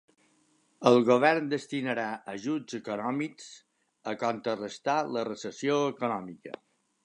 El govern destinarà ajuts econòmics a contrarestar la recessió econòmica.